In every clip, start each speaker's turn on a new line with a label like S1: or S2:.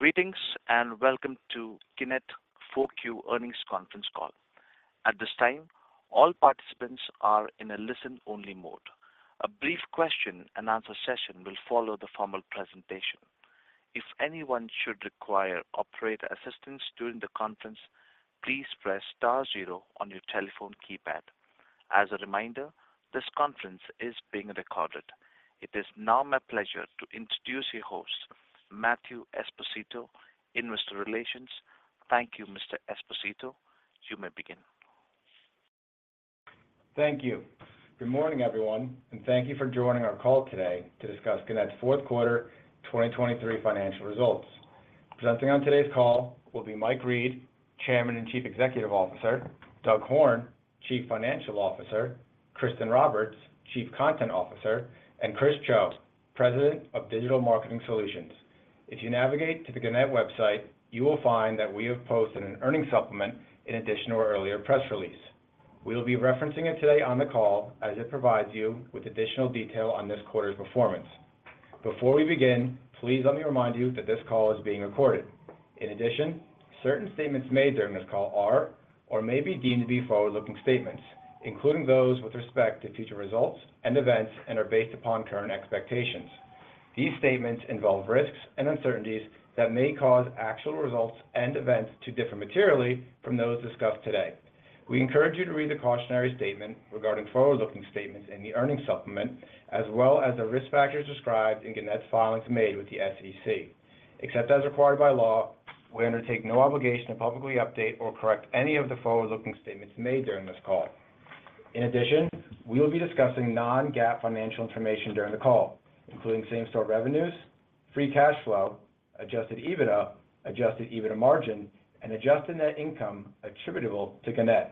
S1: Greetings, and Welcome Gannett Four Q Earnings Conference Call. At this time, all participants are in a listen-only mode. A brief question-and-answer session will follow the formal presentation. If anyone should require operator assistance during the conference, please press star zero on your telephone keypad. As a reminder, this conference is being recorded. It is now my pleasure to introduce your host, Matthew Esposito, Investor Relations. Thank you, Mr. Esposito. You may begin.
S2: Thank you. Good morning, everyone, and thank you for joining our call today to discuss Gannett's fourth quarter, 2023 financial results. Presenting on today's call will be Mike Reed, Chairman and Chief Executive Officer, Doug Horne, Chief Financial Officer, Kristin Roberts, Chief Content Officer, and Chris Cho, President of Digital Marketing Solutions. If you navigate to the Gannett website, you will find that we have posted an earnings supplement in addition to our earlier press release. We will be referencing it today on the call as it provides you with additional detail on this quarter's performance. Before we begin, please let me remind you that this call is being recorded. In addition, certain statements made during this call are or may be deemed to be forward-looking statements, including those with respect to future results and events, and are based upon current expectations. These statements involve risks and uncertainties that may cause actual results and events to differ materially from those discussed today. We encourage you to read the cautionary statement regarding forward-looking statements in the earnings supplement, as well as the risk factors described in Gannett's filings made with the SEC. Except as required by law, we undertake no obligation to publicly update or correct any of the forward-looking statements made during this call. In addition, we will be discussing non-GAAP financial information during the call, including same-store revenues, Free Cash Flow, Adjusted EBITDA, Adjusted EBITDA Margin, and Adjusted Net Income attributable to Gannett.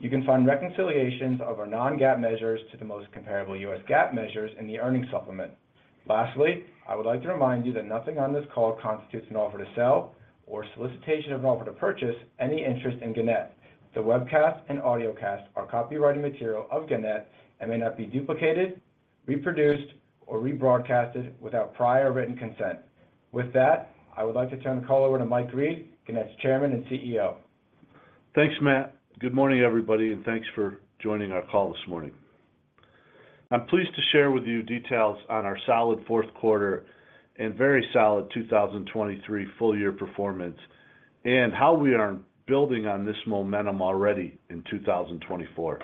S2: You can find reconciliations of our non-GAAP measures to the most comparable U.S. GAAP measures in the earnings supplement. Lastly, I would like to remind you that nothing on this call constitutes an offer to sell or solicitation of an offer to purchase any interest in Gannett. The webcast and audiocast are copyrighted material of Gannett and may not be duplicated, reproduced, or rebroadcasted without prior written consent. With that, I would like to turn the call over to Mike Reed, Gannett's Chairman and CEO.
S3: Thanks, Matt. Good morning, everybody, and thanks for joining our call this morning. I'm pleased to share with you details on our solid fourth quarter and very solid 2023 full-year performance and how we are building on this momentum already in 2024.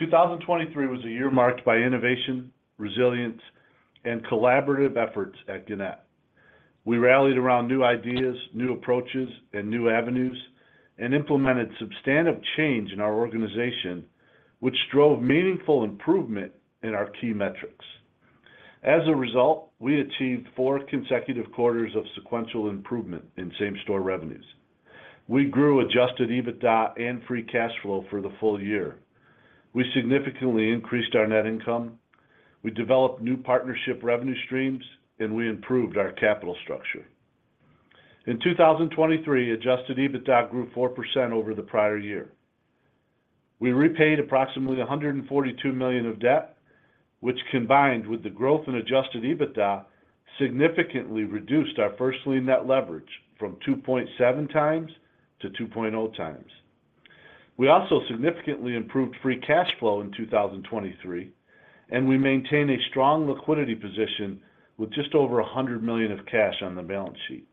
S3: 2023 was a year marked by innovation, resilience, and collaborative efforts at Gannett. We rallied around new ideas, new approaches, and new avenues and implemented substantive change in our organization, which drove meaningful improvement in our key metrics. As a result, we achieved four consecutive quarters of sequential improvement in same-store revenues. We grew Adjusted EBITDA and Free Cash Flow for the full year. We significantly increased our net income, we developed new partnership revenue streams, and we improved our capital structure. In 2023, Adjusted EBITDA grew 4% over the prior year. We repaid approximately $142 million of debt, which, combined with the growth in Adjusted EBITDA, significantly reduced our First Lien Net Leverage from 2.7x to 2.0x. We also significantly improved Free Cash Flow in 2023, and we maintained a strong liquidity position with just over $100 million of cash on the balance sheet.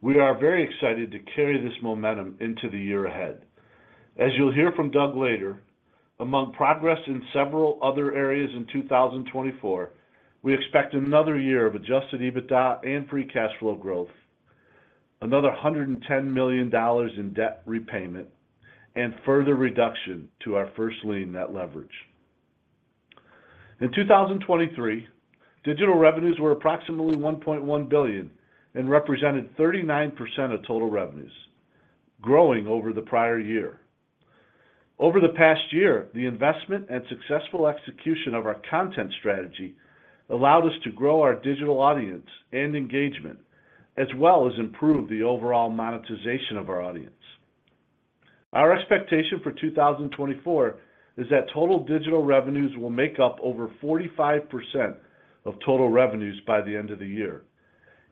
S3: We are very excited to carry this momentum into the year ahead. As you'll hear from Doug later, among progress in several other areas in 2024, we expect another year of Adjusted EBITDA and Free Cash Flow growth, another $110 million in debt repayment, and further reduction to our First Lien Net Leverage. In 2023, digital revenues were approximately $1.1 billion and represented 39% of total revenues, growing over the prior year. Over the past year, the investment and successful execution of our content strategy allowed us to grow our digital audience and engagement, as well as improve the overall monetization of our audience. Our expectation for 2024 is that total digital revenues will make up over 45% of total revenues by the end of the year,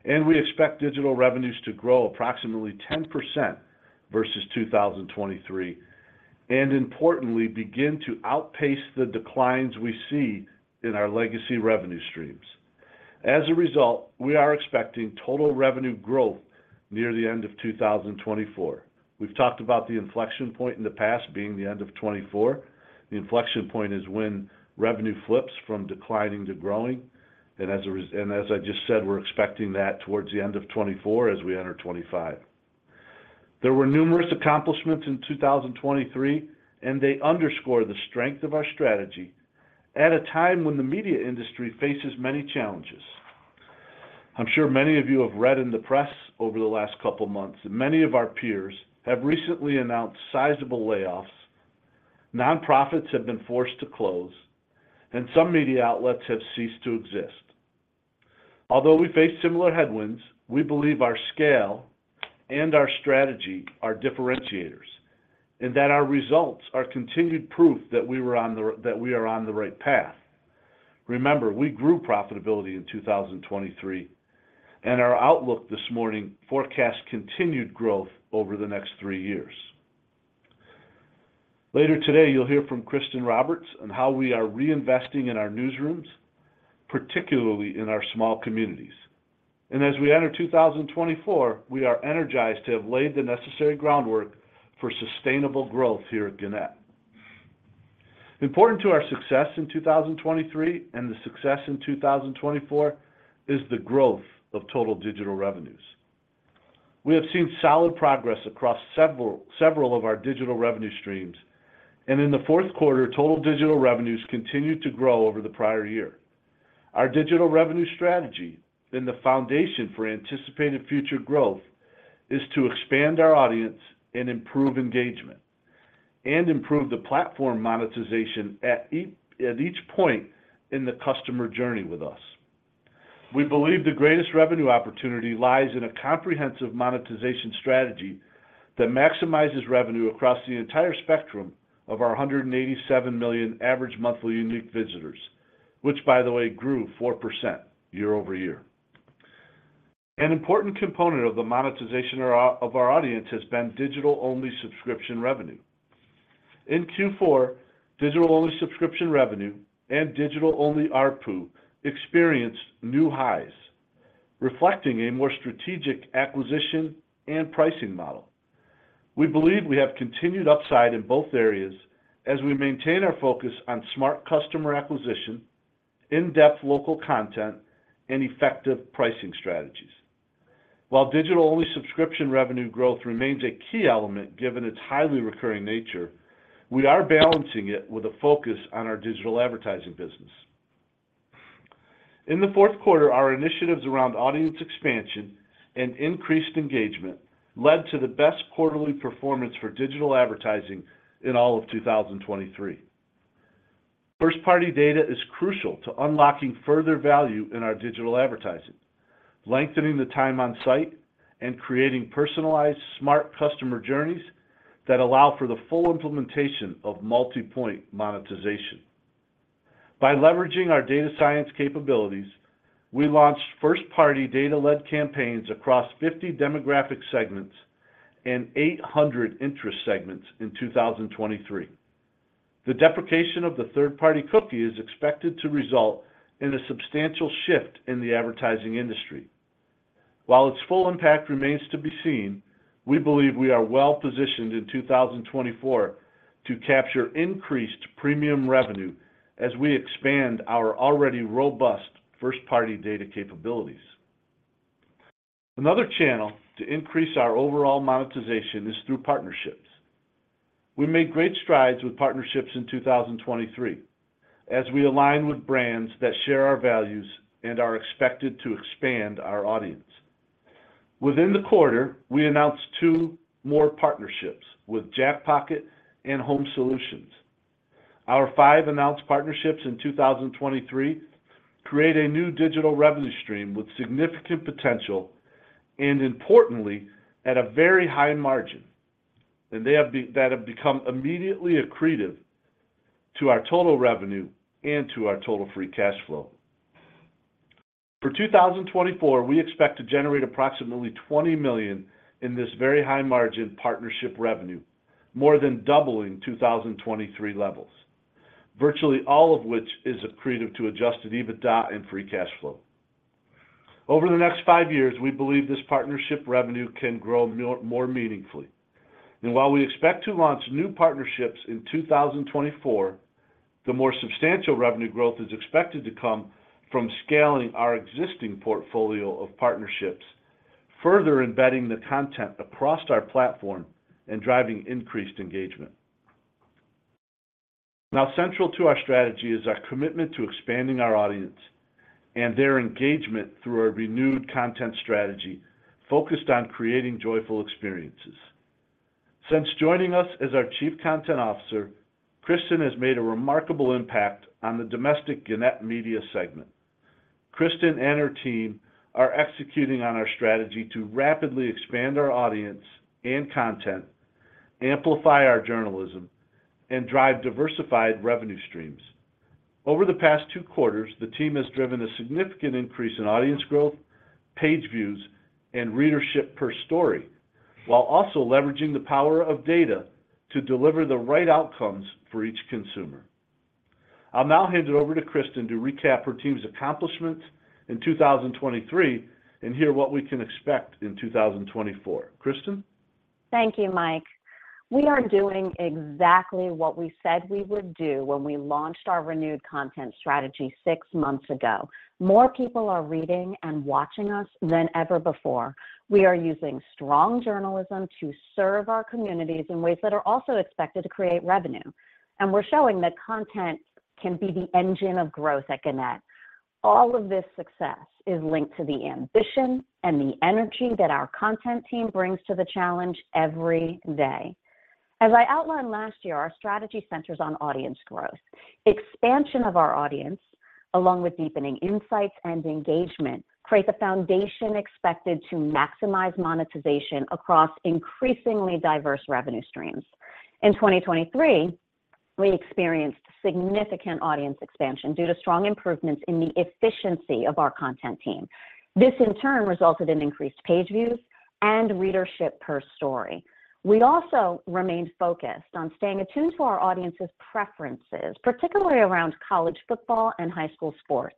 S3: and we expect digital revenues to grow approximately 10% versus 2023 and importantly, begin to outpace the declines we see in our legacy revenue streams. As a result, we are expecting total revenue growth near the end of 2024. We've talked about the inflection point in the past being the end of 2024. The inflection point is when revenue flips from declining to growing, and as I just said, we're expecting that towards the end of 2024 as we enter 2025. There were numerous accomplishments in 2023, and they underscore the strength of our strategy at a time when the media industry faces many challenges. I'm sure many of you have read in the press over the last couple of months that many of our peers have recently announced sizable layoffs, nonprofits have been forced to close, and some media outlets have ceased to exist. Although we face similar headwinds, we believe our scale and our strategy are differentiators and that our results are continued proof that we are on the right path... Remember, we grew profitability in 2023, and our outlook this morning forecasts continued growth over the next three years. Later today, you'll hear from Kristin Roberts on how we are reinvesting in our newsrooms, particularly in our small communities. As we enter 2024, we are energized to have laid the necessary groundwork for sustainable growth here at Gannett. Important to our success in 2023, and the success in 2024, is the growth of total digital revenues. We have seen solid progress across several of our digital revenue streams, and in the fourth quarter, total digital revenues continued to grow over the prior year. Our digital revenue strategy, then the foundation for anticipated future growth, is to expand our audience and improve engagement, and improve the platform monetization at each point in the customer journey with us. We believe the greatest revenue opportunity lies in a comprehensive monetization strategy that maximizes revenue across the entire spectrum of our 187 million average monthly unique visitors, which, by the way, grew 4% year-over-year. An important component of the monetization of our audience has been digital-only subscription revenue. In Q4, digital-only subscription revenue and digital-only ARPU experienced new highs, reflecting a more strategic acquisition and pricing model. We believe we have continued upside in both areas as we maintain our focus on smart customer acquisition, in-depth local content, and effective pricing strategies. While digital-only subscription revenue growth remains a key element, given its highly recurring nature, we are balancing it with a focus on our digital advertising business. In the fourth quarter, our initiatives around audience expansion and increased engagement led to the best quarterly performance for digital advertising in all of 2023. First-party Data is crucial to unlocking further value in our digital advertising, lengthening the time on site, and creating personalized smart customer journeys that allow for the full implementation of multi-point monetization. By leveraging our data science capabilities, we launched First-party Data led campaigns across 50 demographic segments and 800 interest segments in 2023. The deprecation of the third-party cookie is expected to result in a substantial shift in the advertising industry. While its full impact remains to be seen, we believe we are well positioned in 2024 to capture increased premium revenue as we expand our already robust First-party Data capabilities. Another channel to increase our overall monetization is through partnerships. We made great strides with partnerships in 2023, as we align with brands that share our values and are expected to expand our audience. Within the quarter, we announced two more partnerships with Jackpocket and Home Solutions. Our five announced partnerships in 2023 create a new digital revenue stream with significant potential and importantly, at a very high margin, and that have become immediately accretive to our total revenue and to our total Free Cash Flow. For 2024, we expect to generate approximately $20 million in this very high-margin partnership revenue, more than doubling 2023 levels, virtually all of which is accretive to Adjusted EBITDA and Free Cash Flow. Over the next five years, we believe this partnership revenue can grow more, more meaningfully. And while we expect to launch new partnerships in 2024, the more substantial revenue growth is expected to come from scaling our existing portfolio of partnerships, further embedding the content across our platform and driving increased engagement. Now, central to our strategy is our commitment to expanding our audience and their engagement through our renewed content strategy focused on creating joyful experiences. Since joining us as our Chief Content Officer, Kristin has made a remarkable impact on the domestic Gannett media segment. Kristin and her team are executing on our strategy to rapidly expand our audience and content, amplify our journalism, and drive diversified revenue streams. Over the past two quarters, the team has driven a significant increase in audience growth, page views, and readership per story, while also leveraging the power of data to deliver the right outcomes for each consumer. I'll now hand it over to Kristin to recap her team's accomplishments in 2023 and hear what we can expect in 2024. Kristin?
S4: Thank you, Mike. We are doing exactly what we said we would do when we launched our renewed content strategy six months ago. More people are reading and watching us than ever before. We are using strong journalism to serve our communities in ways that are also expected to create revenue, and we're showing that content can be the engine of growth at Gannett. All of this success is linked to the ambition and the energy that our content team brings to the challenge every day. As I outlined last year, our strategy centers on audience growth. Expansion of our audience, along with deepening insights and engagement, create the foundation expected to maximize monetization across increasingly diverse revenue streams. In 2023, we experienced significant audience expansion due to strong improvements in the efficiency of our content team. This, in turn, resulted in increased page views and readership per story. We also remained focused on staying attuned to our audience's preferences, particularly around college football and high school sports.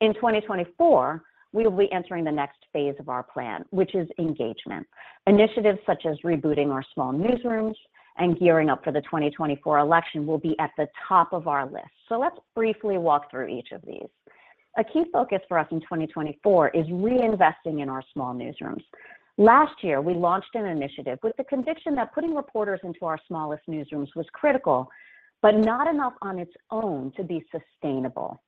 S4: In 2024, we will be entering the next phase of our plan, which is engagement. Initiatives such as rebooting our small newsrooms and gearing up for the 2024 election will be at the top of our list. So let's briefly walk through each of these. A key focus for us in 2024 is reinvesting in our small newsrooms. Last year, we launched an initiative with the conviction that putting reporters into our smallest newsrooms was critical, but not enough on its own to be sustainable.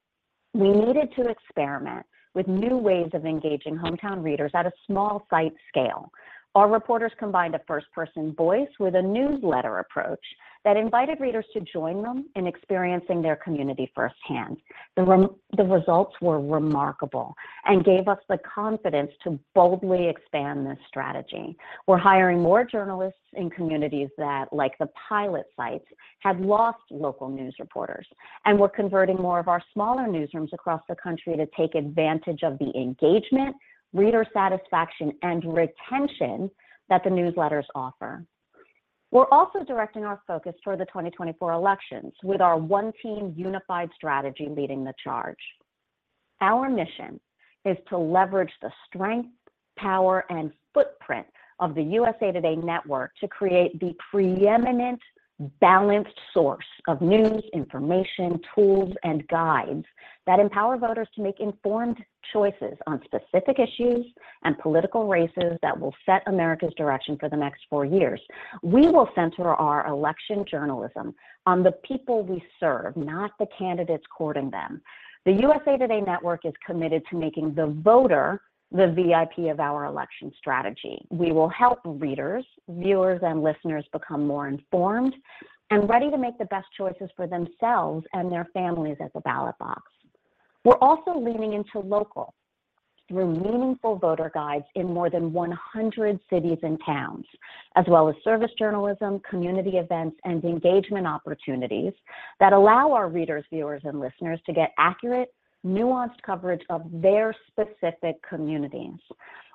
S4: We needed to experiment with new ways of engaging hometown readers at a small site scale. Our reporters combined a first-person voice with a newsletter approach that invited readers to join them in experiencing their community firsthand. The results were remarkable and gave us the confidence to boldly expand this strategy. We're hiring more journalists in communities that, like the pilot sites, had lost local news reporters, and we're converting more of our smaller newsrooms across the country to take advantage of the engagement, reader satisfaction, and retention that the newsletters offer. We're also directing our focus toward the 2024 elections, with our one team unified strategy leading the charge. Our mission is to leverage the strength, power, and footprint of the USA TODAY Network to create the preeminent, balanced source of news, information, tools, and guides that empower voters to make informed choices on specific issues and political races that will set America's direction for the next four years. We will center our election journalism on the people we serve, not the candidates courting them. The USA TODAY Network is committed to making the voter the VIP of our election strategy. We will help readers, viewers, and listeners become more informed and ready to make the best choices for themselves and their families at the ballot box. We're also leaning into local through meaningful voter guides in more than 100 cities and towns, as well as service journalism, community events, and engagement opportunities that allow our readers, viewers, and listeners to get accurate, nuanced coverage of their specific communities.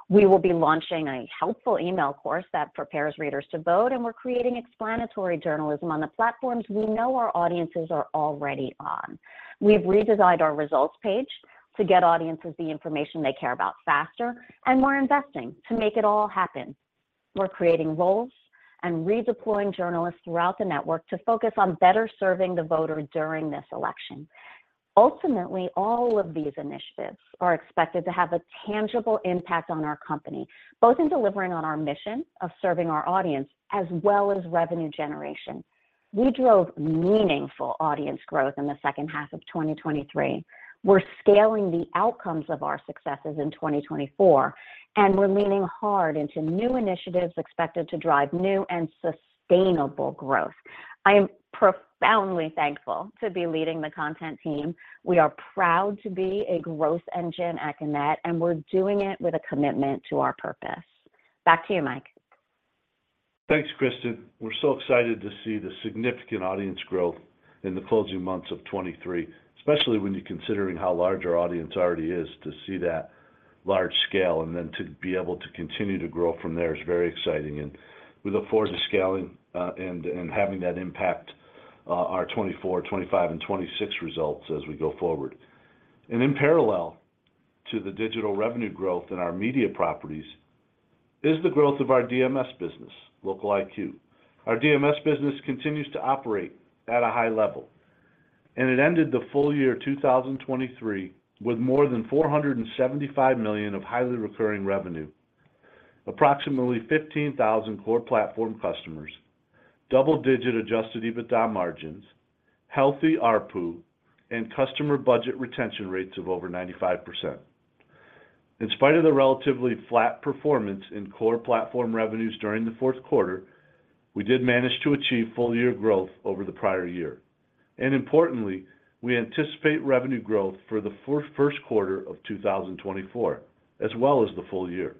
S4: We will be launching a helpful email course that prepares readers to vote, and we're creating explanatory journalism on the platforms we know our audiences are already on. We've redesigned our results page to get audiences the information they care about faster, and we're investing to make it all happen. We're creating roles and redeploying journalists throughout the network to focus on better serving the voter during this election. Ultimately, all of these initiatives are expected to have a tangible impact on our company, both in delivering on our mission of serving our audience as well as revenue generation. We drove meaningful audience growth in the second half of 2023. We're scaling the outcomes of our successes in 2024, and we're leaning hard into new initiatives expected to drive new and sustainable growth. I am profoundly thankful to be leading the content team. We are proud to be a growth engine at Gannett, and we're doing it with a commitment to our purpose. Back to you, Mike.
S3: Thanks, Kristin. We're so excited to see the significant audience growth in the closing months of 2023, especially when you're considering how large our audience already is. To see that large scale and then to be able to continue to grow from there is very exciting, and we look forward to scaling, and having that impact our 2024, 2025, and 2026 results as we go forward. In parallel to the digital revenue growth in our media properties is the growth of our DMS business, LocaliQ. Our DMS business continues to operate at a high level, and it ended the full year 2023 with more than $475 million of highly recurring revenue, approximately 15,000 core platform customers, double-digit adjusted EBITDA margins, healthy ARPU, and customer budget retention rates of over 95%. In spite of the relatively flat performance in core platform revenues during the fourth quarter, we did manage to achieve full year growth over the prior year, and importantly, we anticipate revenue growth for the first quarter of 2024, as well as the full year.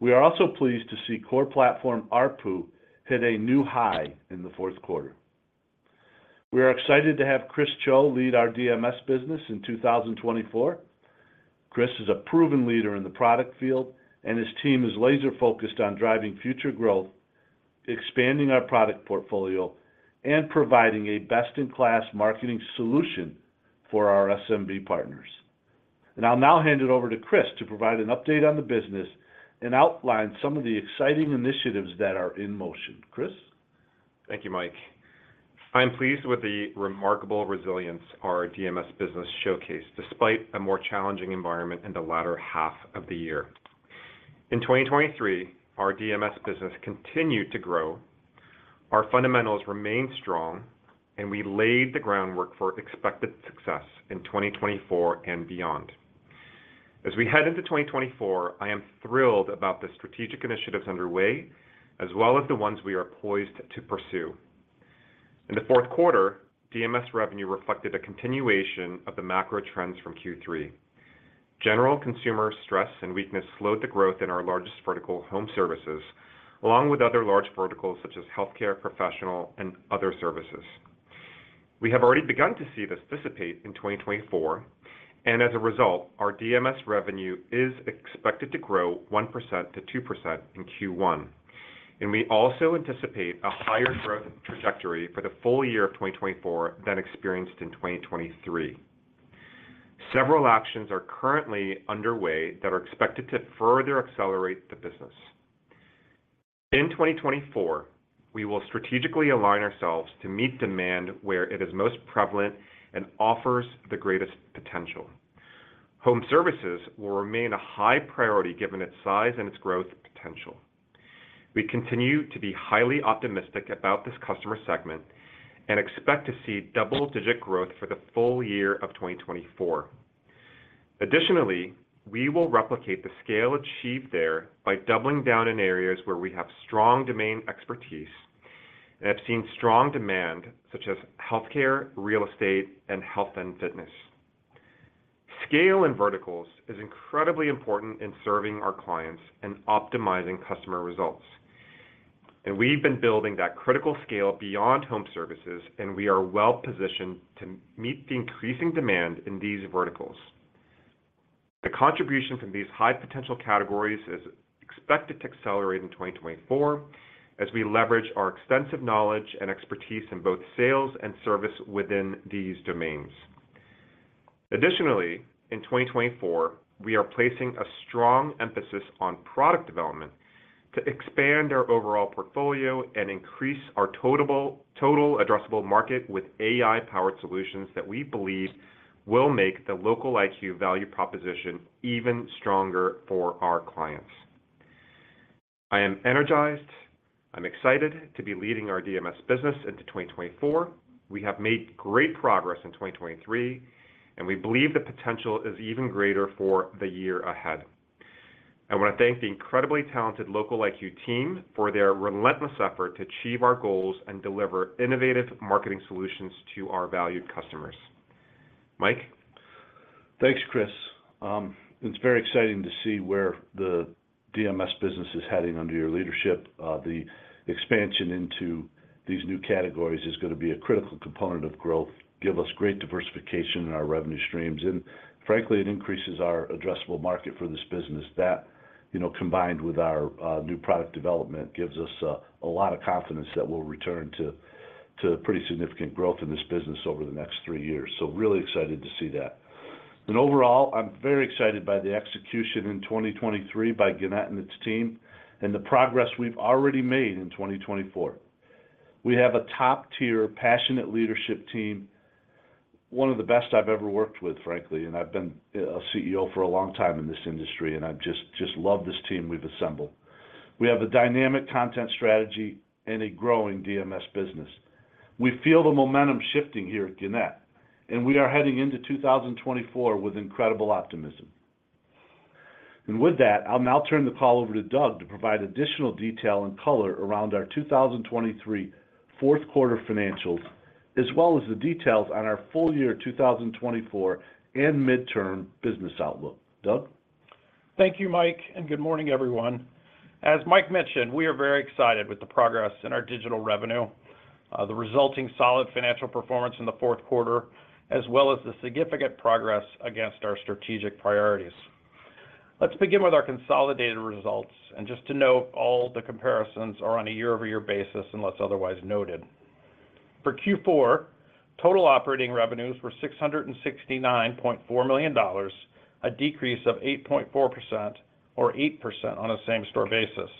S3: We are also pleased to see core platform ARPU hit a new high in the fourth quarter. We are excited to have Chris Cho lead our DMS business in 2024. Chris is a proven leader in the product field, and his team is laser-focused on driving future growth, expanding our product portfolio, and providing a best-in-class marketing solution for our SMB partners. And I'll now hand it over to Chris to provide an update on the business and outline some of the exciting initiatives that are in motion. Chris?
S5: Thank you, Mike. I'm pleased with the remarkable resilience our DMS business showcased, despite a more challenging environment in the latter half of the year. In 2023, our DMS business continued to grow, our fundamentals remained strong, and we laid the groundwork for expected success in 2024 and beyond. As we head into 2024, I am thrilled about the strategic initiatives underway, as well as the ones we are poised to pursue. In the fourth quarter, DMS revenue reflected a continuation of the macro trends from Q3. General consumer stress and weakness slowed the growth in our largest vertical, home services, along with other large verticals such as healthcare, professional, and other services. We have already begun to see this dissipate in 2024, and as a result, our DMS revenue is expected to grow 1%-2% in Q1. We also anticipate a higher growth trajectory for the full year of 2024 than experienced in 2023. Several actions are currently underway that are expected to further accelerate the business. In 2024, we will strategically align ourselves to meet demand where it is most prevalent and offers the greatest potential. Home services will remain a high priority, given its size and its growth potential. We continue to be highly optimistic about this customer segment and expect to see double-digit growth for the full year of 2024. Additionally, we will replicate the scale achieved there by doubling down in areas where we have strong domain expertise and have seen strong demand, such as healthcare, real estate, and health and fitness. Scale in verticals is incredibly important in serving our clients and optimizing customer results, and we've been building that critical scale beyond home services, and we are well positioned to meet the increasing demand in these verticals. The contribution from these high-potential categories is expected to accelerate in 2024 as we leverage our extensive knowledge and expertise in both sales and service within these domains. Additionally, in 2024, we are placing a strong emphasis on product development to expand our overall portfolio and increase our total addressable market with AI-powered solutions that we believe will make the LocaliQ value proposition even stronger for our clients. I am energized, I'm excited to be leading our DMS business into 2024. We have made great progress in 2023, and we believe the potential is even greater for the year ahead. I wanna thank the incredibly talented LocaliQ team for their relentless effort to achieve our goals and deliver innovative marketing solutions to our valued customers. Mike?
S3: Thanks, Chris. It's very exciting to see where the DMS business is heading under your leadership. The expansion into these new categories is gonna be a critical component of growth, give us great diversification in our revenue streams, and frankly, it increases our addressable market for this business. That, you know, combined with our new product development, gives us a lot of confidence that we'll return to pretty significant growth in this business over the next three years. So really excited to see that. Overall, I'm very excited by the execution in 2023 by Gannett and its team and the progress we've already made in 2024. We have a top-tier, passionate leadership team, one of the best I've ever worked with, frankly, and I've been a CEO for a long time in this industry, and I just, just love this team we've assembled. We have a dynamic content strategy and a growing DMS business. We feel the momentum shifting here at Gannett, and we are heading into 2024 with incredible optimism. With that, I'll now turn the call over to Doug to provide additional detail and color around our 2023 fourth quarter financials, as well as the details on our full year 2024 and midterm business outlook. Doug?
S6: Thank you, Mike, and good morning, everyone. As Mike mentioned, we are very excited with the progress in our digital revenue, the resulting solid financial performance in the fourth quarter, as well as the significant progress against our strategic priorities. Let's begin with our consolidated results, and just to note, all the comparisons are on a year-over-year basis, unless otherwise noted. For Q4, total operating revenues were $669.4 million, a decrease of 8.4% or 8% on a same-store basis.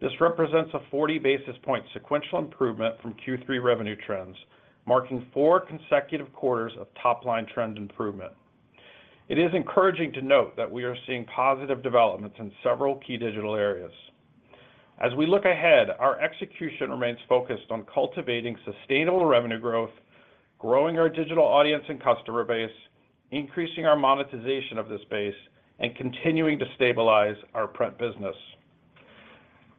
S6: This represents a 40 basis point sequential improvement from Q3 revenue trends, marking four consecutive quarters of top-line trend improvement. It is encouraging to note that we are seeing positive developments in several key digital areas. As we look ahead, our execution remains focused on cultivating sustainable revenue growth, growing our digital audience and customer base, increasing our monetization of this base, and continuing to stabilize our print business.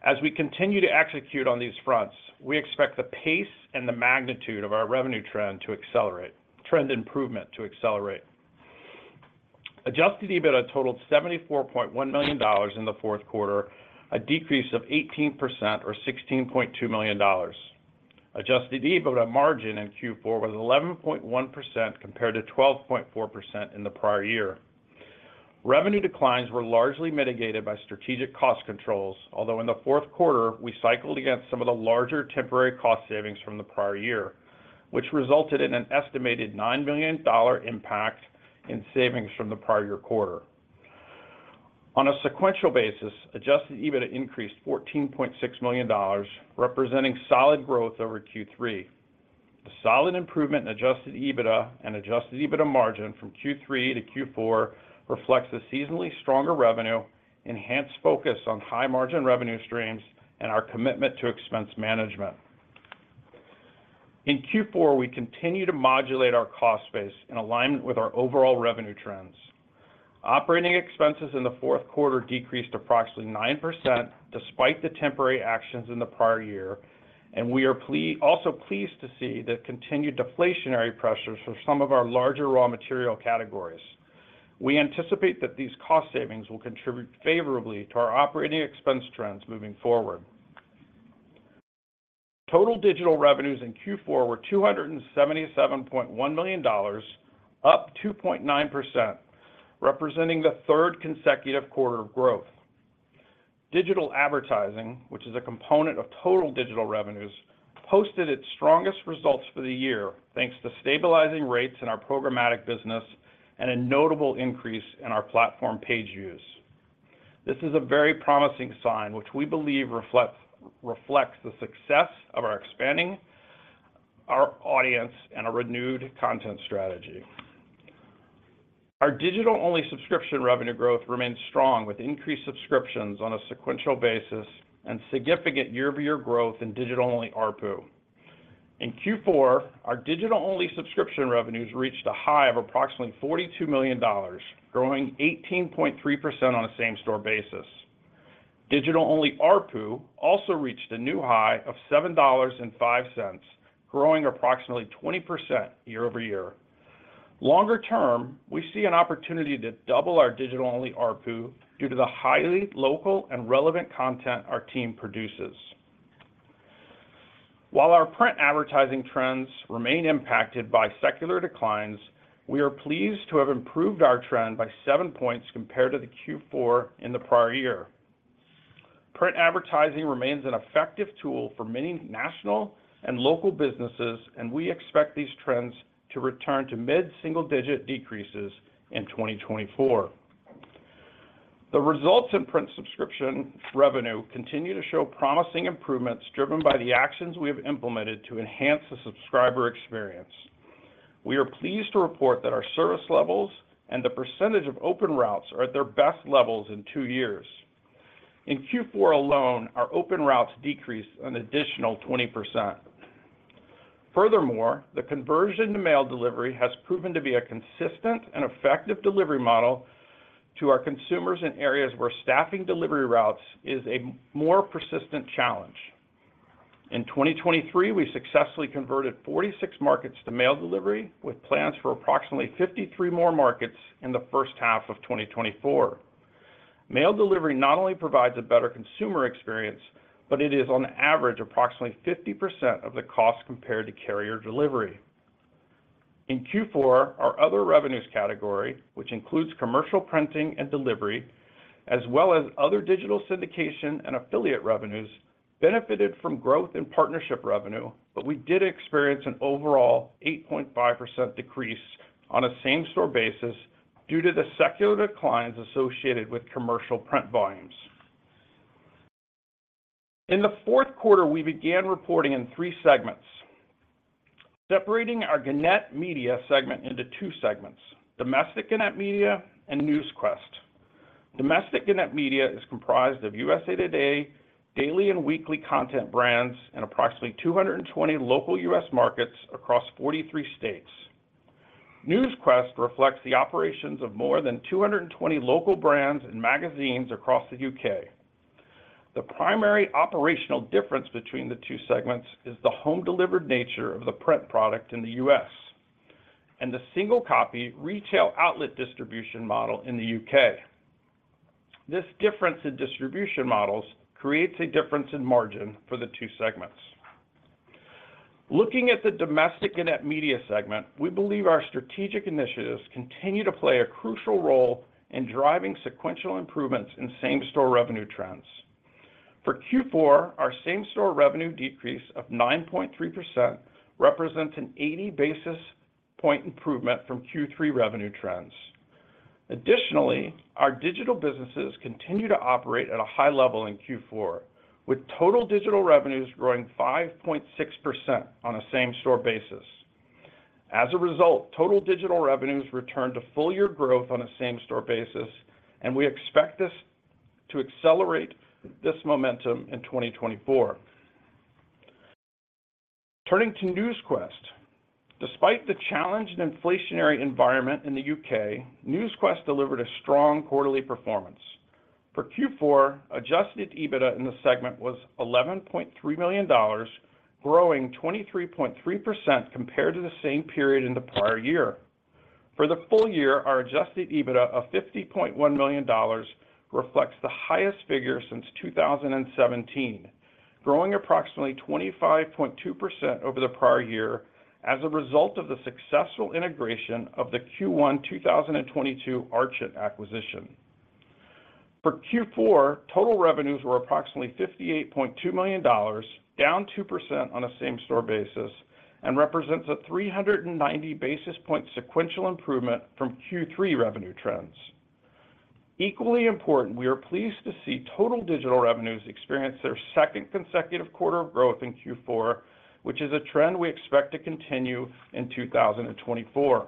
S6: As we continue to execute on these fronts, we expect the pace and the magnitude of our revenue trend to accelerate, trend improvement to accelerate. Adjusted EBITDA totaled $74.1 million in the fourth quarter, a decrease of 18% or $16.2 million. Adjusted EBITDA margin in Q4 was 11.1%, compared to 12.4% in the prior year. Revenue declines were largely mitigated by strategic cost controls, although in the fourth quarter, we cycled against some of the larger temporary cost savings from the prior year, which resulted in an estimated $9 million dollar impact in savings from the prior year quarter. On a sequential basis, Adjusted EBITDA increased $14.6 million, representing solid growth over Q3. The solid improvement in Adjusted EBITDA and Adjusted EBITDA margin from Q3 to Q4 reflects a seasonally stronger revenue, enhanced focus on high-margin revenue streams, and our commitment to expense management. In Q4, we continued to modulate our cost base in alignment with our overall revenue trends. Operating expenses in the fourth quarter decreased approximately 9% despite the temporary actions in the prior year, and we are also pleased to see the continued deflationary pressures for some of our larger raw material categories. We anticipate that these cost savings will contribute favorably to our operating expense trends moving forward. Total digital revenues in Q4 were $277.1 million-2.9%, representing the third consecutive quarter of growth. Digital advertising, which is a component of total digital revenues, posted its strongest results for the year, thanks to stabilizing rates in our programmatic business and a notable increase in our platform page views. This is a very promising sign, which we believe reflects, reflects the success of our expanding our audience and a renewed content strategy. Our digital-only subscription revenue growth remains strong, with increased subscriptions on a sequential basis and significant year-over-year growth in digital-only ARPU. In Q4, our digital-only subscription revenues reached a high of approximately $42 million, growing 18.3% on a same-store basis. Digital-only ARPU also reached a new high of $7.05, growing approximately 20% year-over-year. Longer term, we see an opportunity to double our digital-only ARPU due to the highly local and relevant content our team produces. While our print advertising trends remain impacted by secular declines, we are pleased to have improved our trend by 7 points compared to the Q4 in the prior year. Print advertising remains an effective tool for many national and local businesses, and we expect these trends to return to mid-single-digit decreases in 2024. The results in print subscription revenue continue to show promising improvements, driven by the actions we have implemented to enhance the subscriber experience. We are pleased to report that our service levels and the percentage of open routes are at their best levels in 2 years. In Q4 alone, our open routes decreased an additional 20%. Furthermore, the conversion to mail delivery has proven to be a consistent and effective delivery model to our consumers in areas where staffing delivery routes is a more persistent challenge. In 2023, we successfully converted 46 markets to mail delivery, with plans for approximately 53 more markets in the first half of 2024. Mail delivery not only provides a better consumer experience, but it is on average, approximately 50% of the cost compared to carrier delivery. In Q4, our other revenues category, which includes commercial printing and delivery, as well as other digital syndication and affiliate revenues, benefited from growth in partnership revenue, but we did experience an overall 8.5% decrease on a same-store basis due to the secular declines associated with commercial print volumes. In the fourth quarter, we began reporting in three segments, separating our Gannett Media segment into two segments: Domestic Gannett Media and Newsquest. Domestic Gannett Media is comprised of USA TODAY, daily and weekly content brands, and approximately 220 local U.S. markets across 43 states. Newsquest reflects the operations of more than 220 local brands and magazines across the U.K. The primary operational difference between the two segments is the home-delivered nature of the print product in the U.S, and the single-copy retail outlet distribution model in the U.K. This difference in distribution models creates a difference in margin for the two segments. Looking at the domestic Internet media segment, we believe our strategic initiatives continue to play a crucial role in driving sequential improvements in same-store revenue trends. For Q4, our same-store revenue decrease of 9.3% represents an 80 basis point improvement from Q3 revenue trends. Additionally, our digital businesses continue to operate at a high level in Q4, with total digital revenues growing 5.6% on a same-store basis. As a result, total digital revenues returned to full year growth on a same-store basis, and we expect this to accelerate this momentum in 2024. Turning to Newsquest. Despite the challenged inflationary environment in the U.K., Newsquest delivered a strong quarterly performance. For Q4, adjusted EBITDA in the segment was $11.3 million, growing 23.3% compared to the same period in the prior year. For the full year, our adjusted EBITDA of $50.1 million reflects the highest figure since 2017, growing approximately 25.2% over the prior year as a result of the successful integration of the Q1 2022 Archant acquisition. For Q4, total revenues were approximately $58.2 million, down 2% on a same-store basis, and represents a 390 basis point sequential improvement from Q3 revenue trends. Equally important, we are pleased to see total digital revenues experience their second consecutive quarter of growth in Q4, which is a trend we expect to continue in 2024.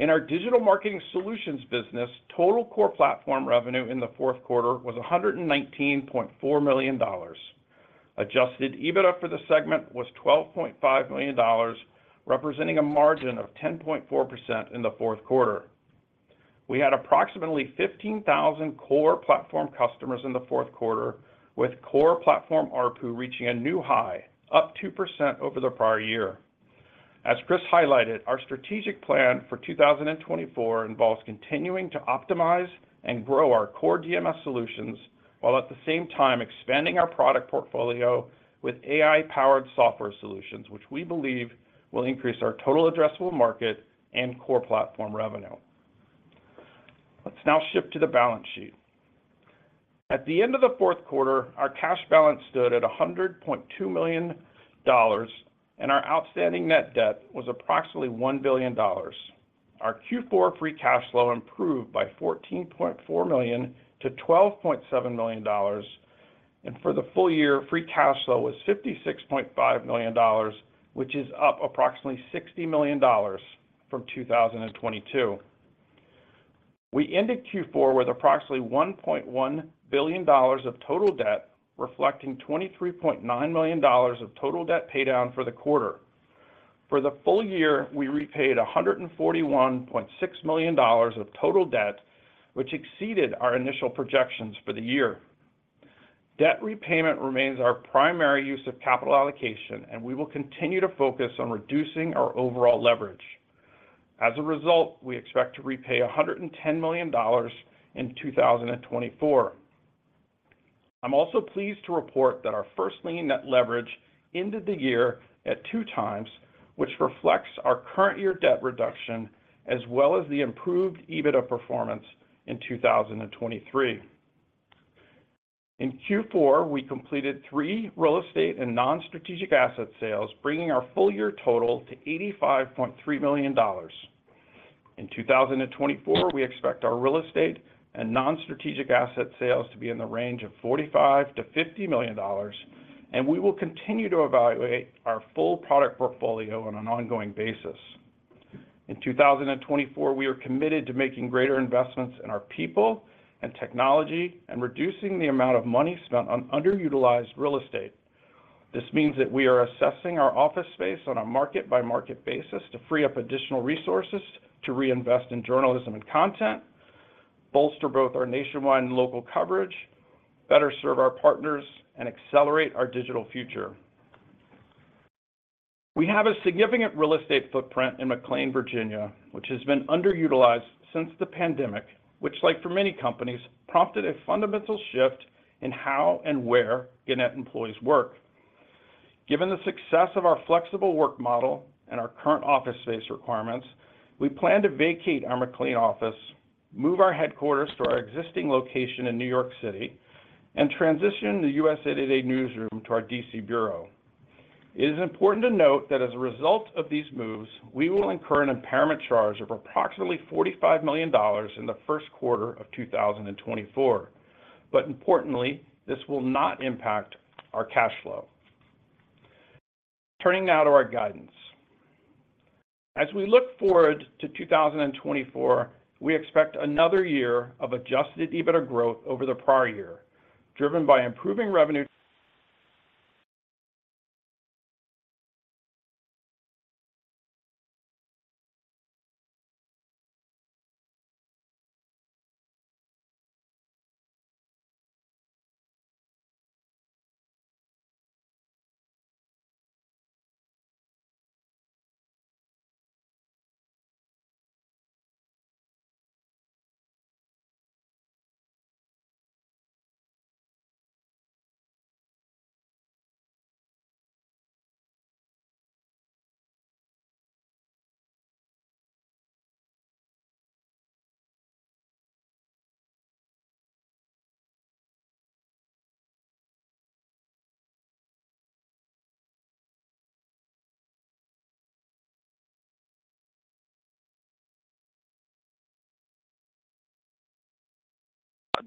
S6: In our digital marketing solutions business, total core platform revenue in the fourth quarter was $119.4 million. Adjusted EBITDA for the segment was $12.5 million, representing a margin of 10.4% in the fourth quarter. We had approximately 15,000 core platform customers in the fourth quarter, with core platform ARPU reaching a new high, up 2% over the prior year. As Chris highlighted, our strategic plan for 2024 involves continuing to optimize and grow our core DMS solutions, while at the same time expanding our product portfolio with AI-powered software solutions, which we believe will increase our total addressable market and core platform revenue. Let's now shift to the balance sheet. At the end of the fourth quarter, our cash balance stood at $100.2 million, and our outstanding net debt was approximately $1 billion. Our Q4 Free Cash Flow improved by $14.4 million- $12.7 million, and for the full year, Free Cash Flow was $56.5 million, which is up approximately $60 million from 2022. We ended Q4 with approximately $1.1 billion of total debt, reflecting $23.9 million of total Debt Paydown for the quarter. For the full year, we repaid $141.6 million of total debt, which exceeded our initial projections for the year. Debt repayment remains our primary use of capital allocation, and we will continue to focus on reducing our overall leverage. As a result, we expect to repay $110 million in 2024. I'm also pleased to report that our First Lien Net Leverage ended the year at 2x, which reflects our current year debt reduction, as well as the improved EBITDA performance in 2023. In Q4, we completed three real estate and non-strategic asset sales, bringing our full year total to $85.3 million. In 2024, we expect our real estate and non-strategic asset sales to be in the range of $45 million-$50 million, and we will continue to evaluate our full product portfolio on an ongoing basis. In 2024, we are committed to making greater investments in our people and technology and reducing the amount of money spent on underutilized real estate. This means that we are assessing our office space on a market-by-market basis to free up additional resources to reinvest in journalism and content, bolster both our nationwide and local coverage, better serve our partners, and accelerate our digital future. We have a significant real estate footprint in McLean, Virginia, which has been underutilized since the pandemic, which, like for many companies, prompted a fundamental shift in how and where Gannett employees work. Given the success of our flexible work model and our current office space requirements, we plan to vacate our McLean office, move our headquarters to our existing location in New York City, and transition the USA TODAY newsroom to our D.C. bureau. It is important to note that as a result of these moves, we will incur an impairment charge of approximately $45 million in the first quarter of 2024. But importantly, this will not impact our cash flow. Turning now to our guidance. As we look forward to 2024, we expect another year of Adjusted EBITDA growth over the prior year, driven by improving revenue-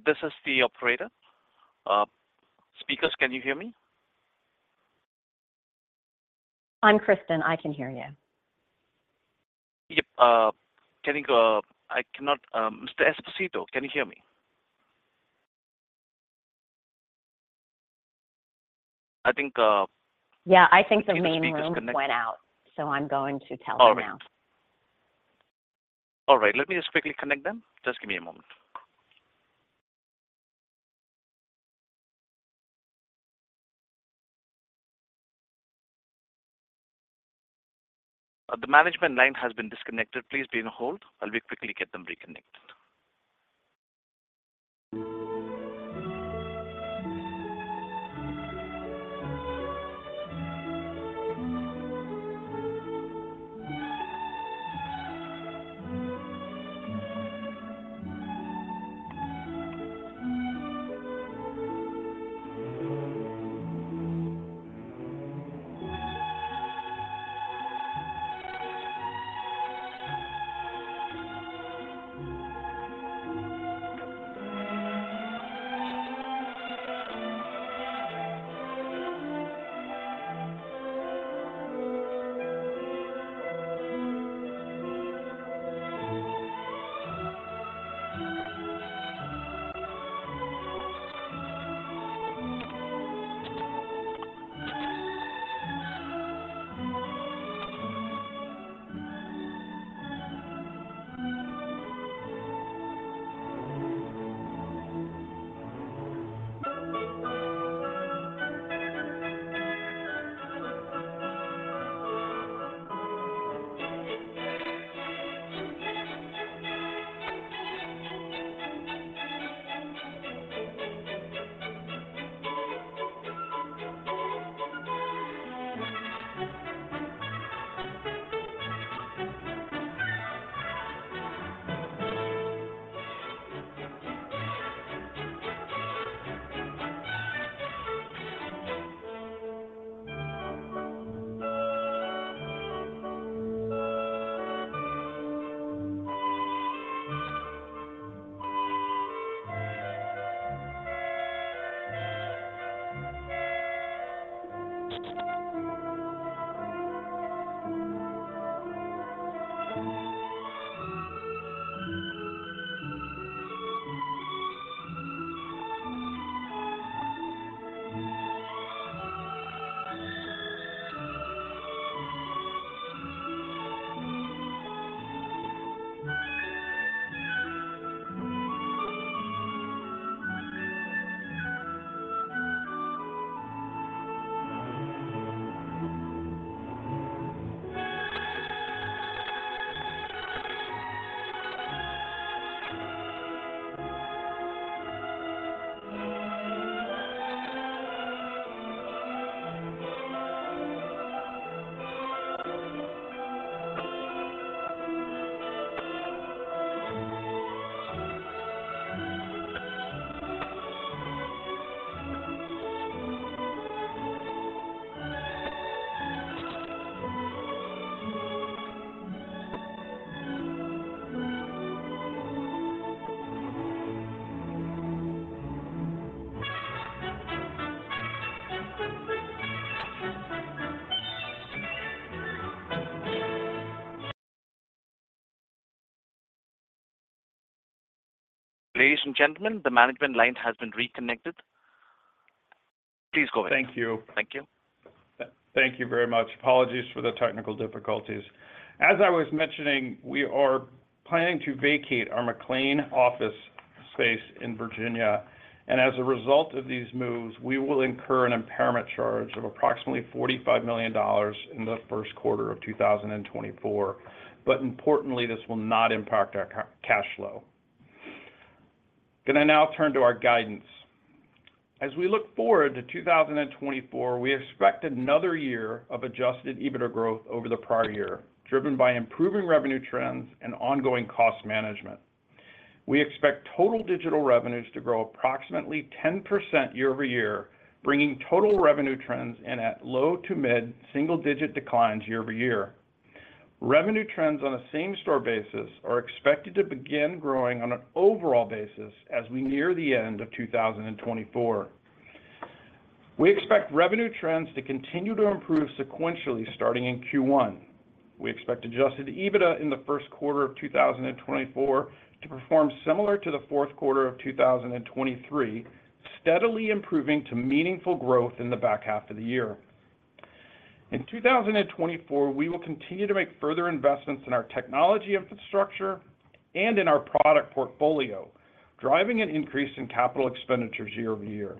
S1: This is the operator. Speakers, can you hear me?
S4: I'm Kristin. I can hear you.
S1: Yep, can you go... I cannot... Mr. Esposito, can you hear me? I think,
S4: Yeah, I think the main room went out, so I'm going to tell him now.
S1: All right. All right, let me just quickly connect them. Just give me a moment. The management line has been disconnected. Please be on hold. I'll quickly get them reconnected. ... Ladies and gentlemen, the management line has been reconnected. Please go ahead. Thank you. Thank you.
S6: Thank you very much. Apologies for the technical difficulties. As I was mentioning, we are planning to vacate our McLean office space in Virginia, and as a result of these moves, we will incur an impairment charge of approximately $45 million in the first quarter of 2024. But importantly, this will not impact our cash flow. Can I now turn to our guidance? As we look forward to 2024, we expect another year of Adjusted EBITDA growth over the prior year, driven by improving revenue trends and ongoing cost management. We expect total digital revenues to grow approximately 10% year-over-year, bringing total revenue trends in at low- to mid-single-digit declines year-over-year. Revenue trends on a same store basis are expected to begin growing on an overall basis as we near the end of 2024. We expect revenue trends to continue to improve sequentially starting in Q1. We expect Adjusted EBITDA in the first quarter of 2024 to perform similar to the fourth quarter of 2023, steadily improving to meaningful growth in the back half of the year. In 2024, we will continue to make further investments in our technology infrastructure and in our product portfolio, driving an increase in capital expenditures year-over-year.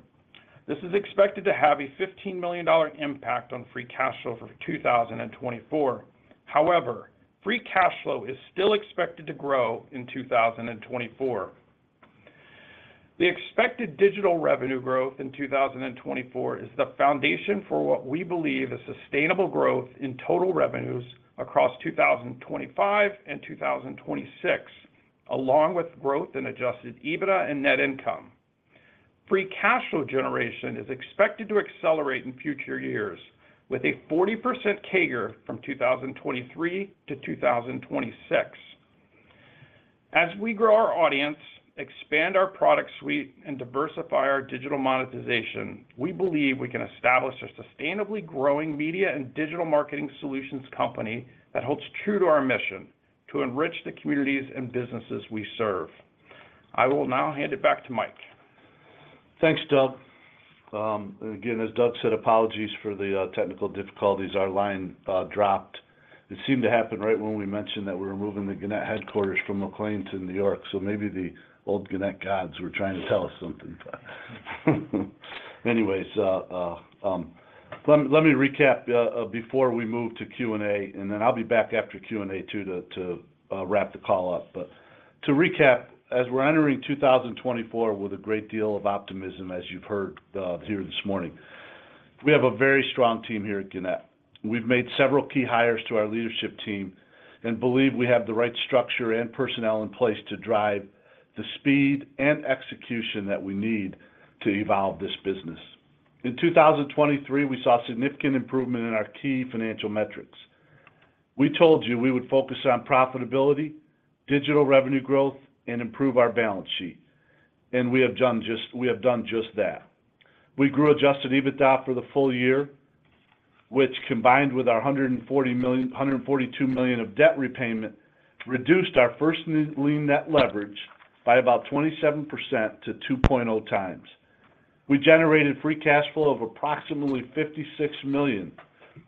S6: This is expected to have a $15 million impact on Free Cash Flow for 2024. However, Free Cash Flow is still expected to grow in 2024. The expected digital revenue growth in 2024 is the foundation for what we believe is sustainable growth in total revenues across 2025 and 2026, along with growth in Adjusted EBITDA and net income. Free Cash Flow generation is expected to accelerate in future years, with a 40% CAGR from 2023 to 2026. As we grow our audience, expand our product suite, and diversify our digital monetization, we believe we can establish a sustainably growing media and digital marketing solutions company that holds true to our mission: to enrich the communities and businesses we serve. I will now hand it back to Mike.
S3: Thanks, Doug. Again, as Doug said, apologies for the technical difficulties. Our line dropped. It seemed to happen right when we mentioned that we were moving the Gannett headquarters from McLean to New York, so maybe the old Gannett gods were trying to tell us something. Anyways, let me recap before we move to Q&A, and then I'll be back after Q&A too, to wrap the call up. But to recap, as we're entering 2024 with a great deal of optimism, as you've heard here this morning, we have a very strong team here at Gannett. We've made several key hires to our leadership team and believe we have the right structure and personnel in place to drive the speed and execution that we need to evolve this business. In 2023, we saw significant improvement in our key financial metrics. We told you we would focus on profitability, digital revenue growth, and improve our balance sheet, and we have done just that. We grew adjusted EBITDA for the full year, which combined with our $140 million, $142 million of debt repayment, reduced our first lien net leverage by about 27% to 2.0 times. We generated Free Cash Flow of approximately $56 million,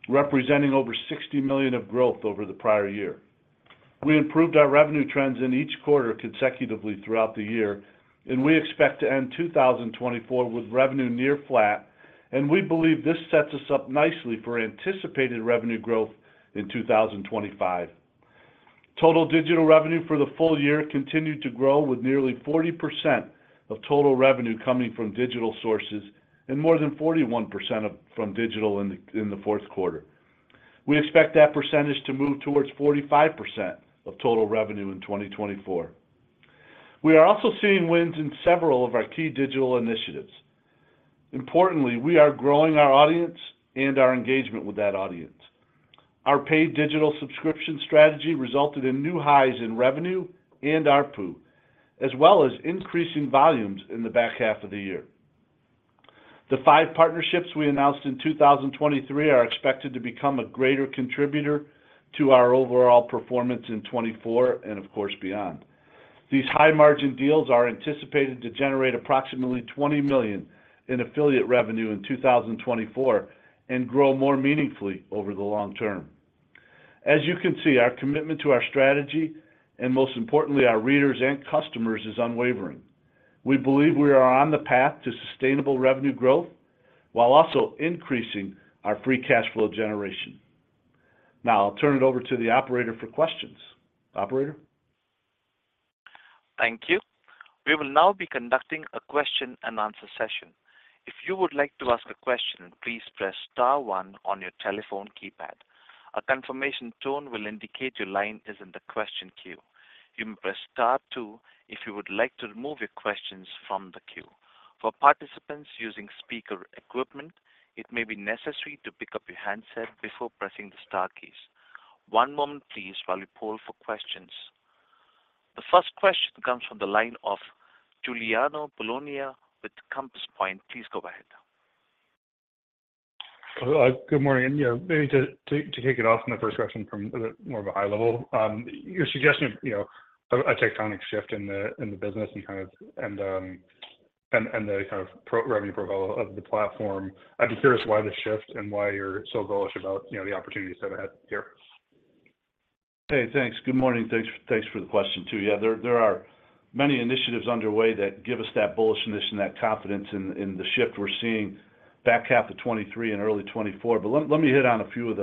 S3: representing over $60 million of growth over the prior year. We improved our revenue trends in each quarter consecutively throughout the year, and we expect to end 2024 with revenue near flat, and we believe this sets us up nicely for anticipated revenue growth in 2025. Total digital revenue for the full year continued to grow, with nearly 40% of total revenue coming from digital sources and more than 41% from digital in the fourth quarter. We expect that percentage to move towards 45% of total revenue in 2024. We are also seeing wins in several of our key digital initiatives. Importantly, we are growing our audience and our engagement with that audience. Our paid digital subscription strategy resulted in new highs in revenue and ARPU, as well as increasing volumes in the back half of the year. The five partnerships we announced in 2023 are expected to become a greater contributor to our overall performance in 2024 and, of course, beyond. These high-margin deals are anticipated to generate approximately $20 million in affiliate revenue in 2024 and grow more meaningfully over the long term. As you can see, our commitment to our strategy, and most importantly, our readers and customers, is unwavering. We believe we are on the path to sustainable revenue growth while also increasing our Free Cash Flow generation. Now I'll turn it over to the operator for questions. Operator?
S1: Thank you. We will now be conducting a question and answer session. If you would like to ask a question, please press star one on your telephone keypad. A confirmation tone will indicate your line is in the question queue. You may press star two if you would like to remove your questions from the queue. For participants using speaker equipment, it may be necessary to pick up your handset before pressing the star keys. One moment please, while we poll for questions. The first question comes from the line of Giuliano Bologna with Compass Point. Please go ahead.
S7: Hello. Good morning. Yeah, maybe to kick it off, my first question from a bit more of a high level. You're suggesting, you know, a tectonic shift in the business and kind of the revenue profile of the platform. I'm just curious why the shift and why you're so bullish about, you know, the opportunities that are ahead here?
S3: Hey, thanks. Good morning. Thanks for the question, too. Yeah, there are many initiatives underway that give us that bullishness and that confidence in the shift we're seeing back half of 2023 and early 2024. But let me hit on a few of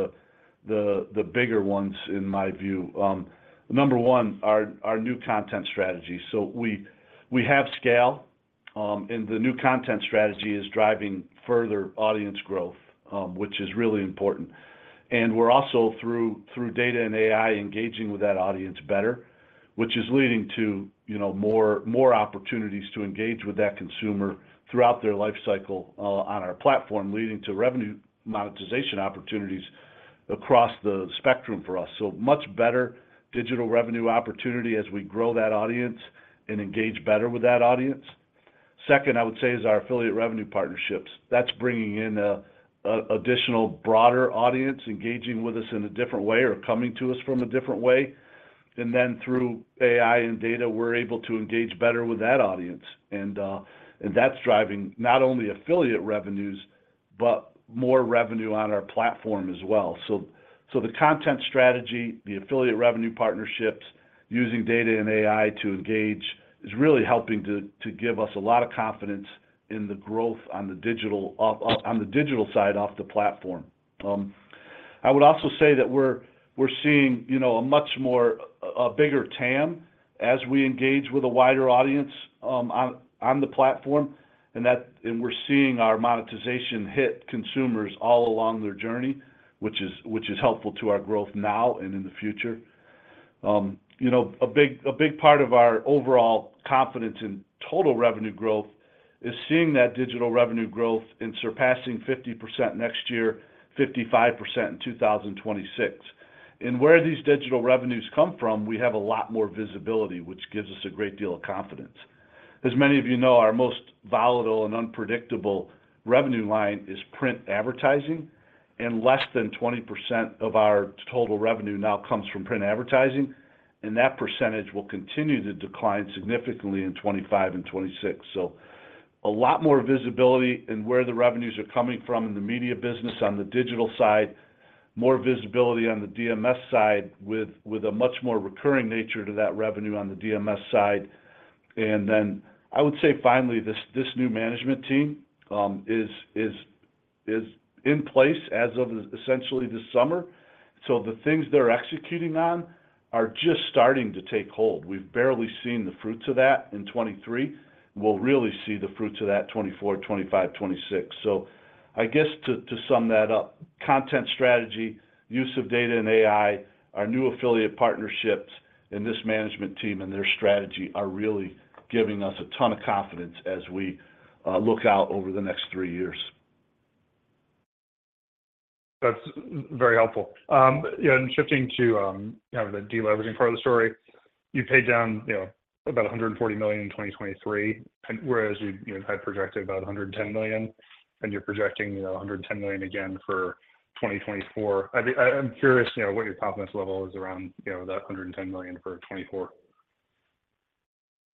S3: the bigger ones in my view. Number one, our new content strategy. So we have scale, and the new content strategy is driving further audience growth, which is really important. And we're also through data and AI engaging with that audience better, which is leading to you know more opportunities to engage with that consumer throughout their life cycle on our platform, leading to revenue monetization opportunities across the spectrum for us. So much better digital revenue opportunity as we grow that audience and engage better with that audience. Second, I would say, is our affiliate revenue partnerships. That's bringing in an additional broader audience, engaging with us in a different way or coming to us from a different way. And then through AI and data, we're able to engage better with that audience. And that's driving not only affiliate revenues, but more revenue on our platform as well. So the content strategy, the affiliate revenue partnerships, using data and AI to engage, is really helping to give us a lot of confidence in the growth on the digital side of the platform. I would also say that we're seeing, you know, a much bigger TAM as we engage with a wider audience on the platform, and we're seeing our monetization hit consumers all along their journey, which is helpful to our growth now and in the future. You know, a big part of our overall confidence in total revenue growth is seeing that digital revenue growth and surpassing 50% next year, 55% in 2026. Where these digital revenues come from, we have a lot more visibility, which gives us a great deal of confidence. As many of you know, our most volatile and unpredictable revenue line is print advertising, and less than 20% of our total revenue now comes from print advertising, and that percentage will continue to decline significantly in 2025 and 2026. So a lot more visibility in where the revenues are coming from in the media business, on the digital side, more visibility on the DMS side, with a much more recurring nature to that revenue on the DMS side. And then I would say, finally, this new management team is in place as of essentially this summer. So the things they're executing on are just starting to take hold. We've barely seen the fruits of that in 2023. We'll really see the fruits of that 2024, 2025, 2026. So I guess to sum that up, content strategy, use of data and AI, our new affiliate partnerships and this management team and their strategy are really giving us a ton of confidence as we look out over the next three years.
S7: That's very helpful. Yeah, and shifting to, you know, the deleveraging part of the story. You paid down, you know, about $140 million in 2023, and whereas you, you know, had projected about $110 million, and you're projecting, you know, $110 million again for 2024. I think I, I'm curious, you know, what your confidence level is around, you know, that $110 million for 2024.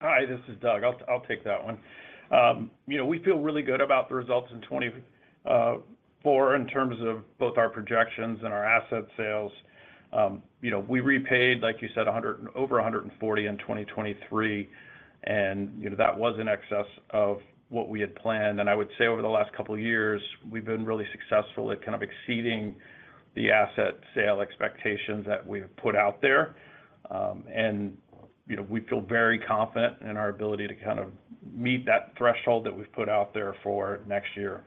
S6: Hi, this is Doug. I'll take that one. You know, we feel really good about the results in 2024 in terms of both our projections and our asset sales. You know, we repaid, like you said, over $140 million in 2023, and, you know, that was in excess of what we had planned. And I would say over the last couple of years, we've been really successful at kind of exceeding the asset sale expectations that we've put out there. And, you know, we feel very confident in our ability to kind of meet that threshold that we've put out there for next year.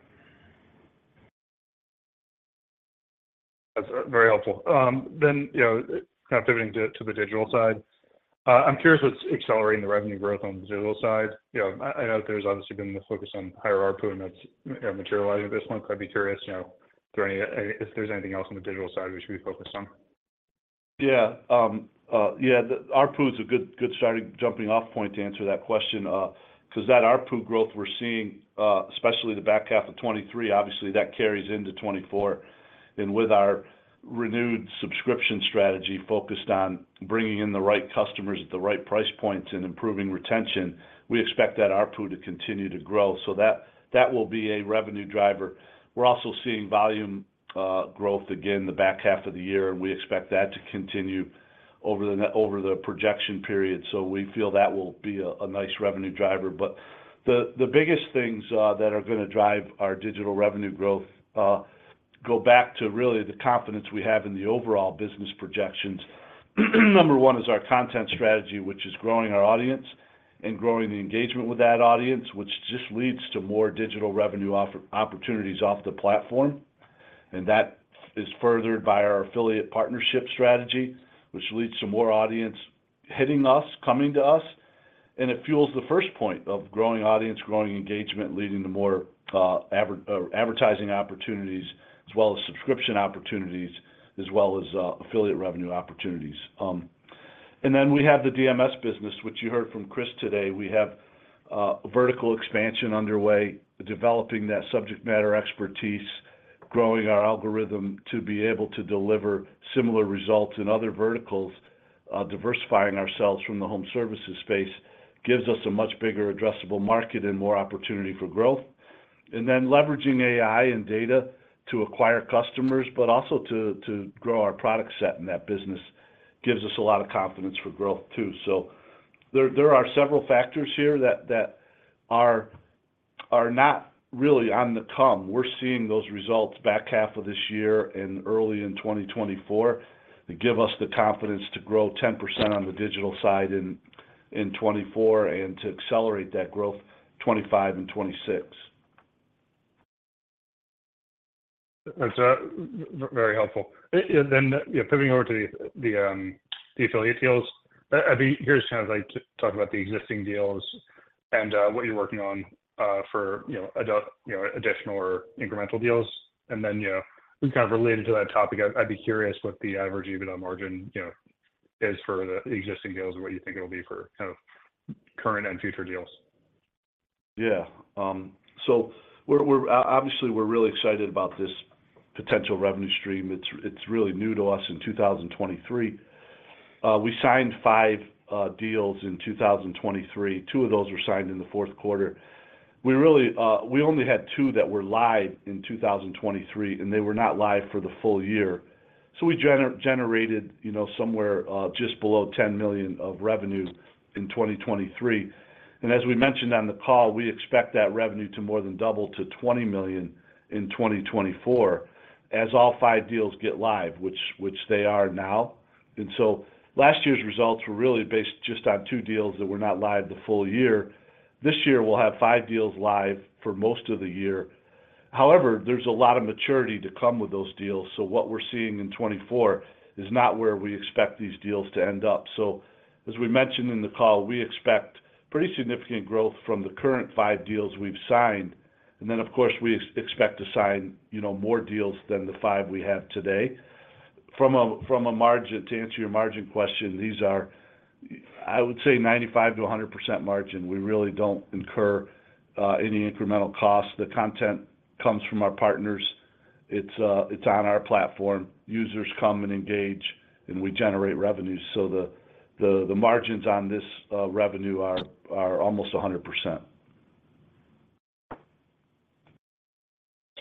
S7: That's very helpful. Then, you know, kind of pivoting to the digital side, I'm curious what's accelerating the revenue growth on the digital side. You know, I know there's obviously been the focus on higher ARPU, and that's materializing this month. I'd be curious, you know, is there any... if there's anything else on the digital side we should be focused on?
S3: Yeah. Yeah, the ARPU is a good, good starting jumping-off point to answer that question, 'cause that ARPU growth we're seeing, especially the back half of 2023, obviously, that carries into 2024. And with our renewed subscription strategy focused on bringing in the right customers at the right price points and improving retention, we expect that ARPU to continue to grow. So that, that will be a revenue driver. We're also seeing volume growth again in the back half of the year, and we expect that to continue over the projection period. So we feel that will be a nice revenue driver. But the biggest things that are gonna drive our digital revenue growth go back to really the confidence we have in the overall business projections. Number one is our content strategy, which is growing our audience and growing the engagement with that audience, which just leads to more digital revenue opportunities off the platform, and that is furthered by our affiliate partnership strategy, which leads to more audience hitting us, coming to us. And it fuels the first point of growing audience, growing engagement, leading to more advertising opportunities, as well as subscription opportunities, as well as affiliate revenue opportunities. And then we have the DMS business, which you heard from Chris today. We have vertical expansion underway, developing that subject matter expertise, growing our algorithm to be able to deliver similar results in other verticals. Diversifying ourselves from the home services space gives us a much bigger addressable market and more opportunity for growth. Then leveraging AI and data to acquire customers, but also to grow our product set in that business, gives us a lot of confidence for growth, too. So there are several factors here that are not really on the come. We're seeing those results back half of this year and early in 2024, to give us the confidence to grow 10% on the digital side in 2024 and to accelerate that growth in 2025 and 2026.
S7: That's very helpful. And then, yeah, pivoting over to the affiliate deals. I'd like to talk about the existing deals and what you're working on for, you know, additional or incremental deals. And then, you know, kind of related to that topic, I'd be curious what the average EBITDA margin, you know, is for the existing deals and what you think it'll be for kind of current and future deals.
S3: Yeah. So we're obviously really excited about this potential revenue stream. It's really new to us in 2023. We signed five deals in 2023. Two of those were signed in the fourth quarter. We really only had two that were live in 2023, and they were not live for the full year. So we generated, you know, somewhere just below $10 million of revenue in 2023. And as we mentioned on the call, we expect that revenue to more than double to $20 million in 2024, as all five deals get live, which they are now. And so last year's results were really based just on two deals that were not live the full year. This year, we'll have five deals live for most of the year. However, there's a lot of maturity to come with those deals, so what we're seeing in 2024 is not where we expect these deals to end up. So as we mentioned in the call, we expect pretty significant growth from the current five deals we've signed, and then, of course, we expect to sign, you know, more deals than the five we have today. From a, from a margin, to answer your margin question, these are, I would say, 95%-100% margin. We really don't incur any incremental cost. The content comes from our partners. It's on our platform. Users come and engage, and we generate revenues. So the margins on this revenue are almost 100%.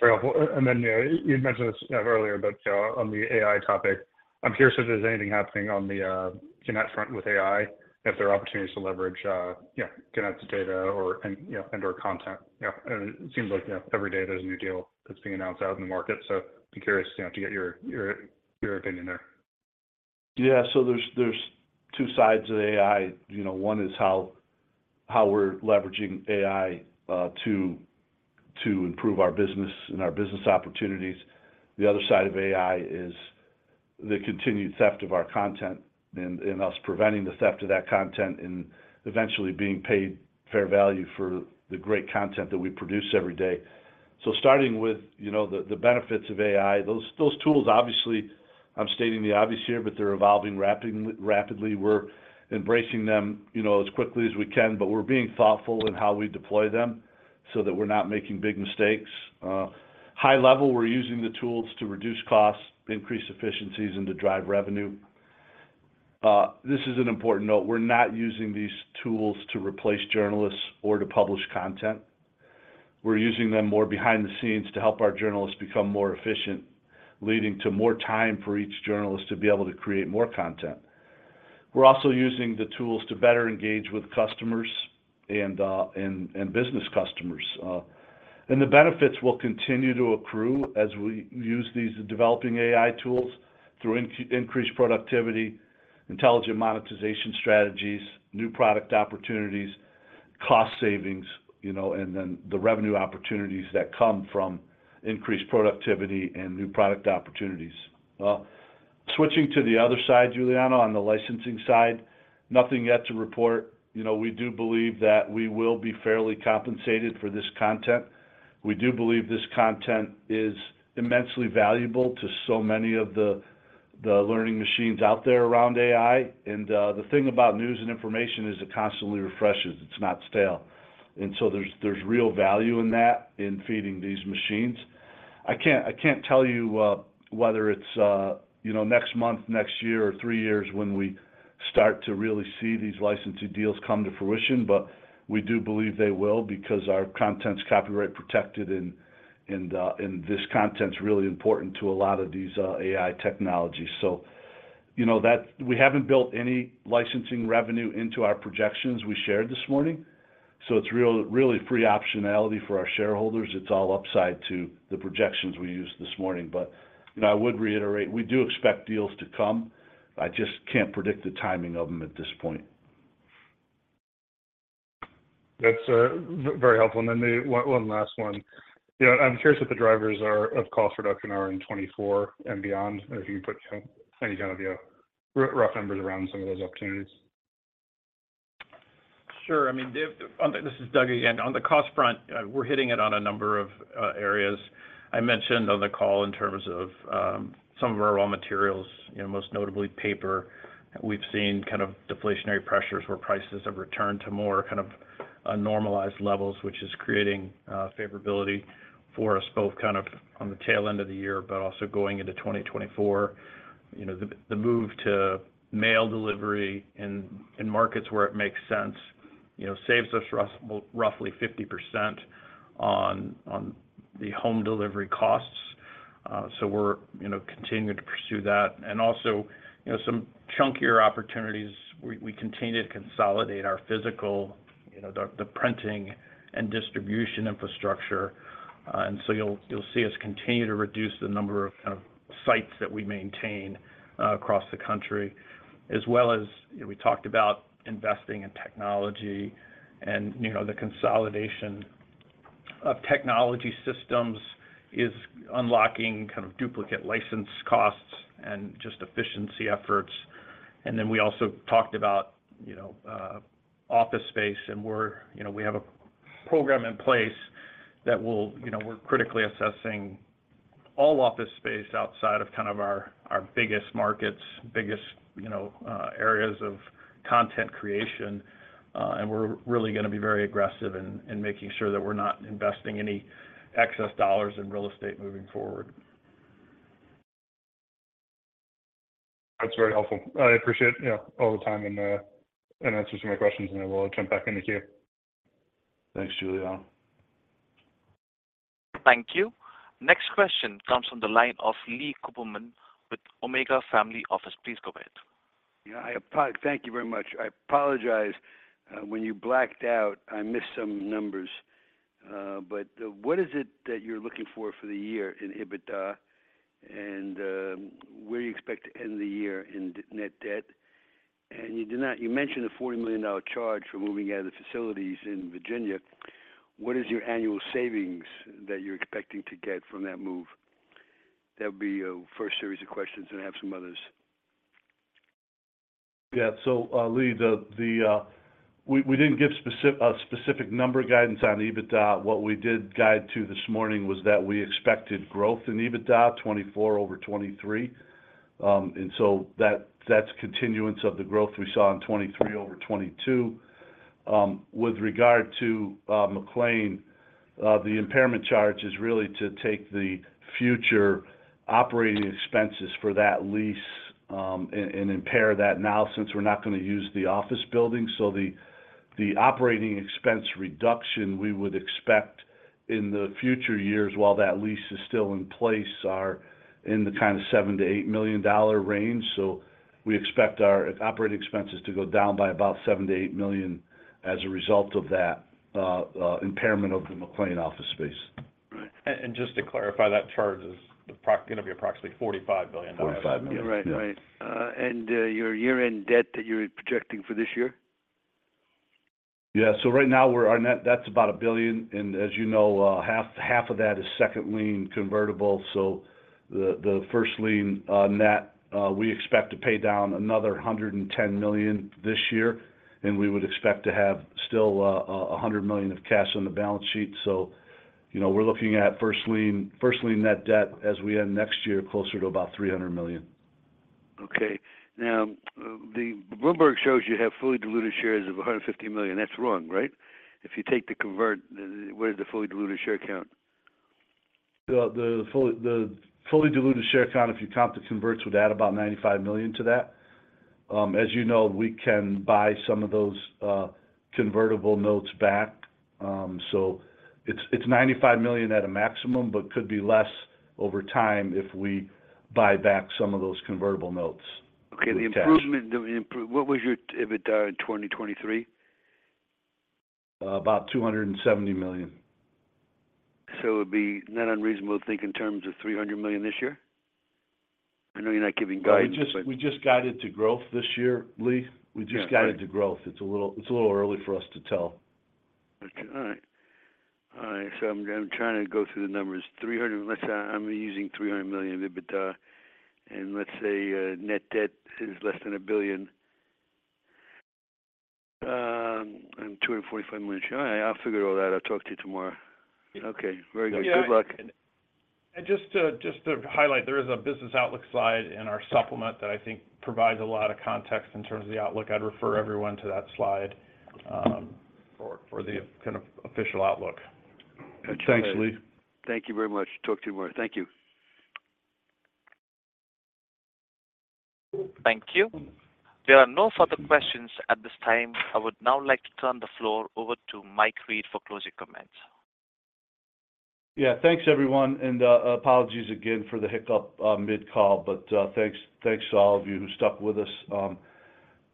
S7: Very helpful. And then, yeah, you'd mentioned this earlier, but on the AI topic, I'm curious if there's anything happening on the Gannett front with AI, and if there are opportunities to leverage you know, Gannett's data or, and, you know, and/or content? You know, and it seems like, yeah, every day there's a new deal that's being announced out in the market. So I'd be curious, you know, to get your, your, your opinion there.
S3: Yeah. So there's two sides of AI: You know, one is how we're leveraging AI to improve our business and our business opportunities. The other side of AI is the continued theft of our content and us preventing the theft of that content and eventually being paid fair value for the great content that we produce every day. So starting with, you know, the benefits of AI, those tools, obviously, I'm stating the obvious here, but they're evolving rapidly, rapidly. We're embracing them, you know, as quickly as we can, but we're being thoughtful in how we deploy them so that we're not making big mistakes. High level, we're using the tools to reduce costs, increase efficiencies, and to drive revenue. This is an important note: We're not using these tools to replace journalists or to publish content. We're using them more behind the scenes to help our journalists become more efficient, leading to more time for each journalist to be able to create more content. We're also using the tools to better engage with customers and business customers. And the benefits will continue to accrue as we use these developing AI tools through increased productivity, intelligent monetization strategies, new product opportunities, cost savings, you know, and then the revenue opportunities that come from increased productivity and new product opportunities. Switching to the other side, Giuliano, on the licensing side, nothing yet to report. You know, we do believe that we will be fairly compensated for this content. We do believe this content is immensely valuable to so many of the learning machines out there around AI, and the thing about news and information is it constantly refreshes. It's not stale, and so there's real value in that, in feeding these machines. I can't tell you whether it's you know, next month, next year, or three years when we start to really see these licensing deals come to fruition, but we do believe they will because our content's copyright protected and this content's really important to a lot of these AI technologies. So, you know, that. We haven't built any licensing revenue into our projections we shared this morning, so it's really free optionality for our shareholders. It's all upside to the projections we used this morning. But, you know, I would reiterate, we do expect deals to come. I just can't predict the timing of them at this point.
S7: That's very helpful. And then the one last one. You know, I'm curious what the drivers of cost reduction are in 2024 and beyond, and if you can put any kind of rough numbers around some of those opportunities.
S6: Sure. I mean, Dave... This is Doug again. On the cost front, we're hitting it on a number of areas. I mentioned on the call in terms of some of our raw materials, you know, most notably paper. We've seen kind of deflationary pressures, where prices have returned to more kind of a normalized levels, which is creating favorability for us, both kind of on the tail end of the year, but also going into 2024. You know, the move to mail delivery in markets where it makes sense, you know, saves us roughly 50% on the home delivery costs. So we're, you know, continuing to pursue that. And also, you know, some chunkier opportunities, we continue to consolidate our physical, you know, the printing and distribution infrastructure. And so you'll, you'll see us continue to reduce the number of kind of sites that we maintain across the country, as well as we talked about investing in technology and, you know, the consolidation of technology systems is unlocking kind of duplicate license costs and just efficiency efforts. And then we also talked about, you know, office space, and we're, you know, we have a program in place that will, you know, we're critically assessing all office space outside of kind of our, our biggest markets, biggest, you know, areas of content creation, and we're really gonna be very aggressive in, in making sure that we're not investing any excess dollars in real estate moving forward.
S7: That's very helpful. I appreciate, yeah, all the time and, and answers to my questions, and I will jump back in the queue.
S3: Thanks, Giuliano.
S1: Thank you. Next question comes from the line of Lee Cooperman with Omega Family Office. Please go ahead.
S8: Yeah, I apologize, thank you very much. I apologize, when you blacked out, I missed some numbers, but, what is it that you're looking for for the year in EBITDA, and, where do you expect to end the year in net debt? And you mentioned the $40 million charge for moving out of the facilities in Virginia. What is your annual savings that you're expecting to get from that move? That'll be your first series of questions, and I have some others.
S3: Yeah. So, Lee, we didn't give specific number guidance on EBITDA. What we did guide to this morning was that we expected growth in EBITDA 2024 over 2023. And so that's continuance of the growth we saw in 2023 over 2022. With regard to McLean, the impairment charge is really to take the future operating expenses for that lease, and impair that now, since we're not gonna use the office building. So the operating expense reduction we would expect in the future years, while that lease is still in place, are in the kind of $7 million-$8 million range. So we expect our operating expenses to go down by about $7 million-$8 million as a result of that impairment of the McLean office space. Right. And just to clarify, that charge is gonna be approximately $45 million.
S6: $45 million.
S8: Right. Right. And your year-end debt that you're projecting for this year?
S3: Yeah. So right now, we're our net debt's about $1 billion, and as you know, half of that is second lien convertible, so the first lien on net, we expect to pay down another $110 million this year, and we would expect to have still a $100 million of cash on the balance sheet. So, you know, we're looking at first lien net debt as we end next year, closer to about $300 million.
S8: Okay. Now, the Bloomberg shows you have fully diluted shares of 150 million. That's wrong, right? If you take the convert, then what is the fully diluted share count?
S3: The fully diluted share count, if you count the converts, would add about 95 million to that. As you know, we can buy some of those convertible notes back. So it's 95 million at a maximum, but could be less over time if we buy back some of those convertible notes with cash.
S8: Okay, the improvement, what was your EBITDA in 2023?
S3: About $270 million.
S8: So it would be not unreasonable to think in terms of $300 million this year? I know you're not giving guidance, but-
S3: We just guided to growth this year, Lee.
S6: Yeah.
S3: We just guided to growth. It's a little, it's a little early for us to tell.
S8: Okay. All right. All right, so I'm trying to go through the numbers. 300, let's say I'm using $300 million EBITDA, and let's say net debt is less than $1 billion. And $245 million, All right, I'll figure all that. I'll talk to you tomorrow.
S3: Yeah.
S8: Okay, very good.
S6: Yeah.
S8: Good luck.
S3: Just to highlight, there is a business outlook slide in our supplement that I think provides a lot of context in terms of the outlook. I'd refer everyone to that slide for the kind of official outlook. Thanks, Lee.
S8: Thank you very much. Talk to you tomorrow. Thank you.
S1: Thank you. There are no further questions at this time. I would now like to turn the floor over to Mike Reed for closing comments.
S3: Yeah, thanks, everyone, and apologies again for the hiccup mid-call, but thanks, thanks to all of you who stuck with us.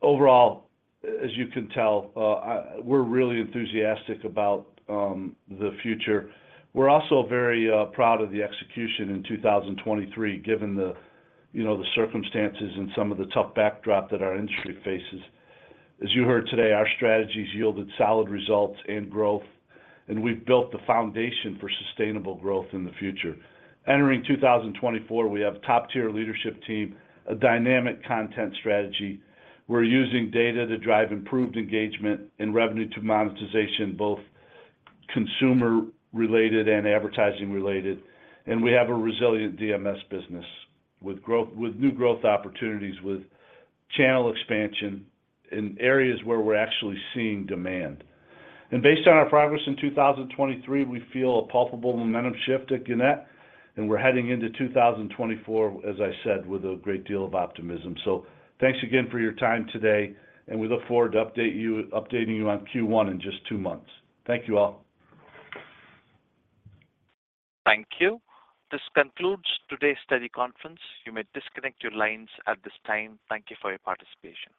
S3: Overall, as you can tell, we're really enthusiastic about the future. We're also very proud of the execution in 2023, given the, you know, the circumstances and some of the tough backdrop that our industry faces. As you heard today, our strategies yielded solid results and growth, and we've built the foundation for sustainable growth in the future. Entering 2024, we have top-tier leadership team, a dynamic content strategy. We're using data to drive improved engagement and revenue to monetization, both consumer-related and advertising-related. And we have a resilient DMS business, with new growth opportunities, with channel expansion in areas where we're actually seeing demand. Based on our progress in 2023, we feel a palpable momentum shift at Gannett, and we're heading into 2024, as I said, with a great deal of optimism. Thanks again for your time today, and we look forward to update you - updating you on Q1 in just two months. Thank you, all.
S1: Thank you. This concludes today's earnings conference. You may disconnect your lines at this time. Thank you for your participation.